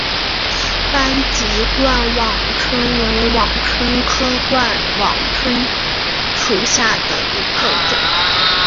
斑脊冠网蝽为网蝽科冠网蝽属下的一个种。